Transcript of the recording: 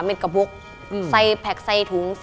แม็ดกระพกใส่แผ่กใส่ถุง